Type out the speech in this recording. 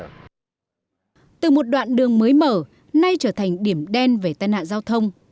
từ một đoạn đường mới mở nay trở thành điểm đen về tai nạn giao thông